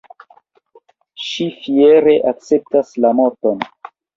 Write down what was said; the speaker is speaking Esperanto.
Ŝi fiere akceptas la morton.